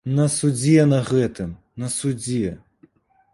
На судзе на гэтым, на судзе!